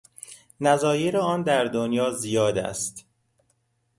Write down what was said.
نظایر آن در دنیا زیاد است